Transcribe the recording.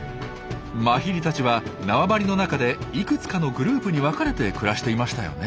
マヒリたちは縄張りの中でいくつかのグループに分かれて暮らしていましたよね？